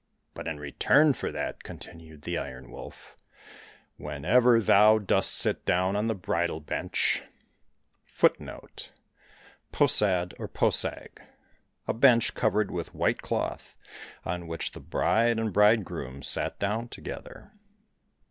But in return for that," continued the Iron Wolf, " when ever thou dost sit down on the bridal bench ,^ I'll come ^ Posad, or posag, a bench covered with white cloth on which the bride and bridegroom sat down together.